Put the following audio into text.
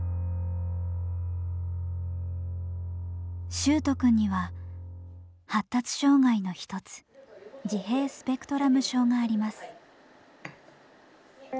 秀斗くんには発達障害の一つ自閉スペクトラム症があります。